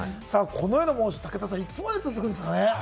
この暑さはいつまで続くんですかね？